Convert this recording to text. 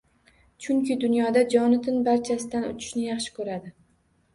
Chunki, dunyoda Jonatan barchasidan uchishni yaxshi ko‘radi.